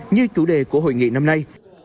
như chủ đề của hội nghị năm nay